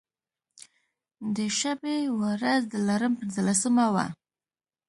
د شبې و رځ د لړم پنځلسمه وه.